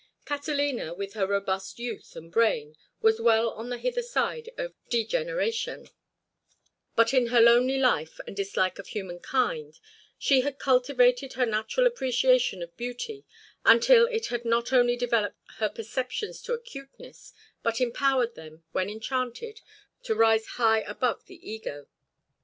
Catalina, with her robust youth and brain, was well on the hither side of degeneration, but in her lonely life and dislike of humankind she had cultivated her natural appreciation of beauty until it had not only developed her perceptions to acuteness but empowered them, when enchanted, to rise high above the ego.